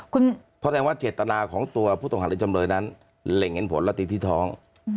เพราะแสดงว่าเจตนาของตัวผู้ต้องหาหรือจำเลยนั้นเหล่งเห็นผลและตีที่ท้อง